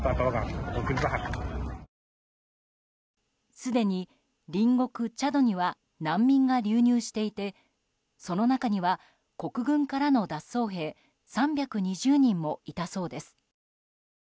すでに、隣国チャドには難民が流入していてその中には国軍からの脱走兵３２０人もいたそうです。